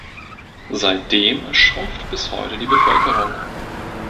Seitdem schrumpft bis heute die Bevölkerung.